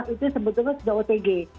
itu sebetulnya sudah otg